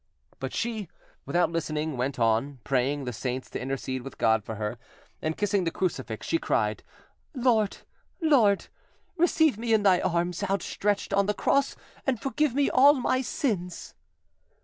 But she, without listening, went on, praying the saints to intercede with God for her, and kissing the crucifix, she cried— "Lord! Lord! receive me in Thy arms out stretched on the cross, and forgive me all my sins!"